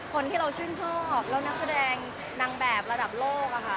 คนที่เราชื่นชอบแล้วนักแสดงนางแบบระดับโลกอะค่ะ